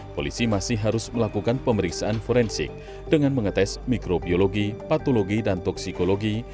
polisi masih harus melakukan pemeriksaan forensik dengan mengetes mikrobiologi patologi dan toksikologi